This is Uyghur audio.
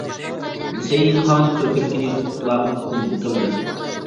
ھۈسەيىن خان كۆكرىكىنى تۇتۇپلا ئاتتىن يىقىلدى.